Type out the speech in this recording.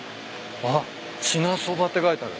あっ「支那そば」って書いてある。